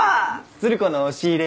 鶴子の押し入れ。